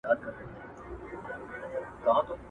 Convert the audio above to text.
له مرګ څخه د ټول عمر لپاره ویره مه کوئ.